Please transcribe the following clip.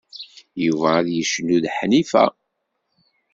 Yuba ad yecnu d Ḥnifa.